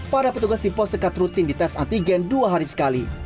para petugas di pos sekat rutin dites antigen dua hari sekali